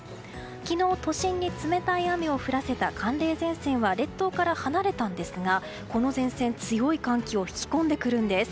昨日、都心に冷たい雨を降らせた寒冷前線は列島から離れたんですがこの前線、強い寒気を引き込んでくるんです。